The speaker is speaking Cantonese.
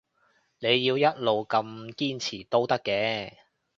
你要一路咁堅持都得嘅